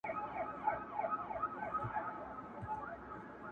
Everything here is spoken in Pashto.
جوړ له انګورو څه پیاله ستایمه,